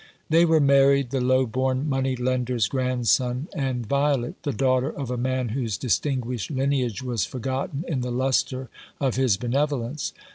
They were married, the low born money lender's grandson, and Violet, the daughter of a man whose distinguished lineage was forgotten in the lustre of his benevolence.